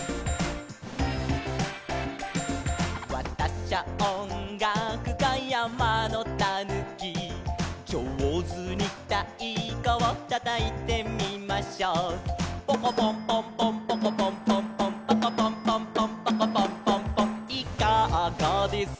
「わたしゃおんがくか山のたぬき」「じょうずにたいこをたたいてみましょう」「ポコポンポンポンポコポンポンポンポコポンポンポンポコポンポンポン」「いかがです」